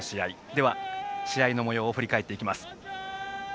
では、試合のもようを振り返っていきます。